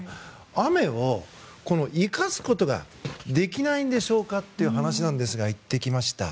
雨を、生かすことができないんでしょうかという話ですが行ってきました。